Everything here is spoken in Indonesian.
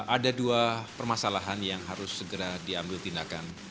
ada dua permasalahan yang harus segera diambil tindakan